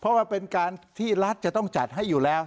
เพราะว่าเป็นการที่รัฐจะต้องจัดให้อยู่แล้ว